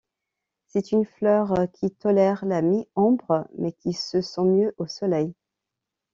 C'est une fleur qui tolère la mi-ombre, mais qui se sent mieux au soleil.